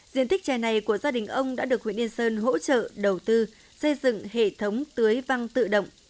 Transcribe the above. diện tích trẻ này của gia đình ông đã được nguyễn yên sơn hỗ trợ đầu tư xây dựng hệ thống tưới văng tự động